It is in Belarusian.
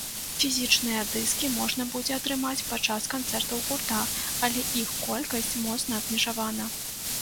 Фізічныя дыскі можна будзе атрымаць падчас канцэртаў гурта, але іх колькасць моцна абмежавана.